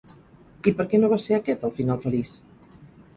I per què no va ser aquest el final feliç?